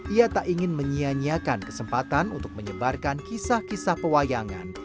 ia tak ingin menyianyiakan kesempatan untuk menyebarkan kisah kisah pewayangan